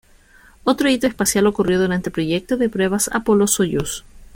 Otro hito espacial ocurrió durante el Proyecto de pruebas Apolo-Soyuz.